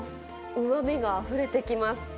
うまみがあふれてきます。